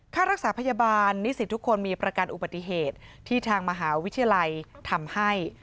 ค่ารักษาพยาบาลนิสิตทุกคนมีประกันอุบัติเหตุที่ทางมหาวิทยาลัยทำให้